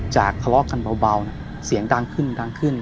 ทะเลาะกันเบาเสียงดังขึ้นดังขึ้น